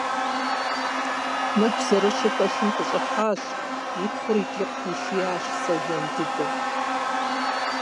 Нэху зэрыщу пэшым къыщӀыхьащ и пхъур икӀи къыхуишиящ сэ жан дыдэ.